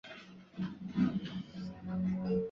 圣灰蝶属是灰蝶科线灰蝶亚科美灰蝶族中的一个属。